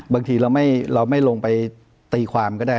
บางทีเราไม่ลงไปตีความก็ได้